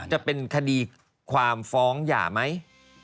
จะเป็นคดีความฟ้องหย่าไหม